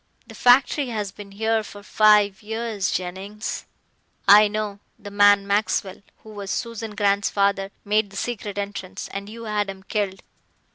The factory has been here for five years, Jennings " "I know. The man Maxwell, who was Susan Grant's father, made the secret entrance, and you had him killed."